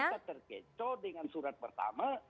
kita terkecoh dengan surat pertama